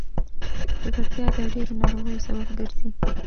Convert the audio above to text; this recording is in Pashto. ککړتیا د ډېرو ناروغیو سبب ګرځي.